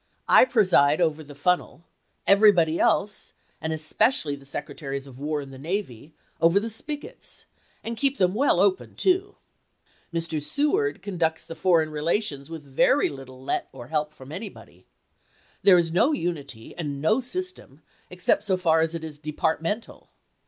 I preside over the fun nel ; everybody else, and especially the Secretaries of War and the Navy, over the spigots — and keep them well open, too. Mr. Seward conducts the for eign rehxtions with very little let or help from any body. There is no unity and no system, except so far as it is departmental.